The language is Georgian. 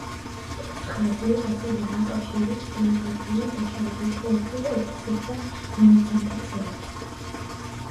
ეს ხაზი ასევე აკავშირებს გეოგრაფიულად დაშორებულ კერძო ოფისებს და მონაცემთა ქსელებს.